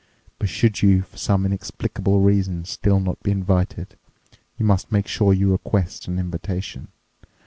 But should you for some inexplicable reason still not be invited, you must make sure you request an invitation.